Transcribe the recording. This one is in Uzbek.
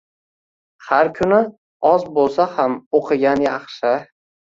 har kuni oz bo‘lsa ham o‘qigan yaxshi.